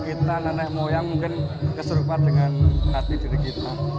kita nenek moyang mungkin keserupan dengan hati diri kita